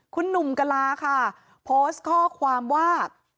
คุณหนุ่มกลาค่ะโพสต์ข้อความว่า